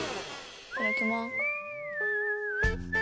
いただきます。